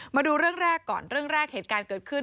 มาดูเรื่องแรกก่อนเรื่องแรกเหตุการณ์เกิดขึ้น